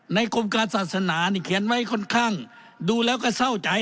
กรมการศาสนานี่เขียนไว้ค่อนข้างดูแล้วก็เศร้าใจ